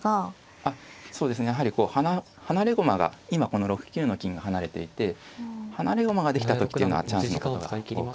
あっそうですねやはり離れ駒が今この６九の金が離れていて離れ駒ができた時っていうのはチャンスのことが多くって。